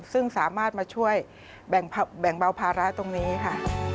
ซึ่งสามารถมาช่วยแบ่งเบาภาระตรงนี้ค่ะ